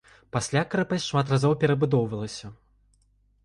Пасля крэпасць шмат разоў перабудоўвалася.